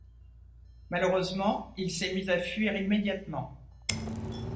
Malheureusement, il s'est mis à fuir immédiatement.